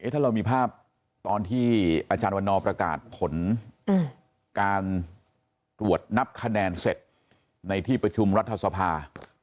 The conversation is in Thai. ถ้าเรามีภาพตอนที่อาจารย์วันนอประกาศผลการตรวจนับคะแนนเสร็จในที่ประชุมรัฐสภา